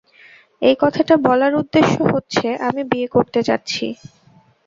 এই কথাটা বলার উদ্দেশ্য হচ্ছে, আমি বিয়ে করতে যাচ্ছি।